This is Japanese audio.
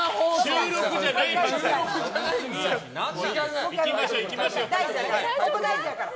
収録じゃないから。